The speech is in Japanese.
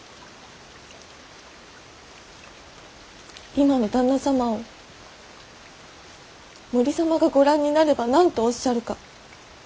今の旦那様を森様がご覧になれば何とおっしゃるか。